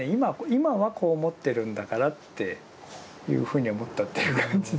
今はこう思ってるんだからっていうふうに思ったっていう感じですかね。